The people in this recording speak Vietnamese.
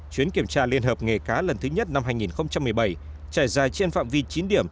chuyến kiểm tra liên hợp nghề cá lần thứ nhất năm hai nghìn một mươi bảy trải dài trên phạm vi chín điểm